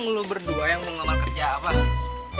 emang lu berdua yang mau ngelamar kerja apa